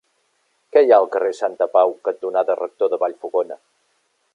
Què hi ha al carrer Santapau cantonada Rector de Vallfogona?